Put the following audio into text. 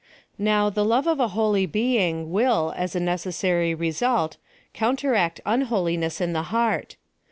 Now, the love of a holy being, will, as a necessary result, counter act unholiness in the heart.